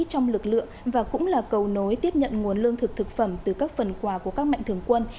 trong lực lượng và cũng là cầu nối tiếp nhận nguồn lương thực thực phẩm từ các phần quà của các mạnh thường quân